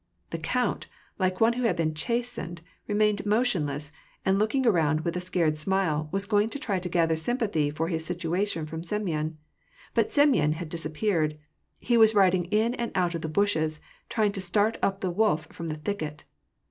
The count, like one who had been chastised, remained motionless ; and, looking around with a scai*ed smile, was going to try to gather sympathy for his situation from Semyon. But Semyon had disappeared : he was riding in and out of the bushes, trying to start the wolf up from the thicket.